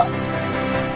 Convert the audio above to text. wah begitu orangnya